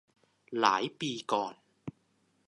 หลายปีก่อน